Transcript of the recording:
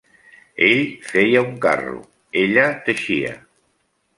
Ell feia un carro, ella teixia.